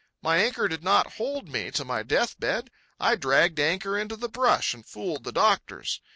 My anchor did not hold me to my death bed. I dragged anchor into the brush and fooled the doctors.